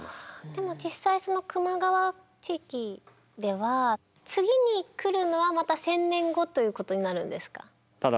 でも実際その球磨川地域では次に来るのはまた１０００年後ということになるんですか？